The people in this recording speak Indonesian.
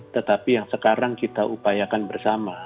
tetapi yang sekarang kita upayakan bersama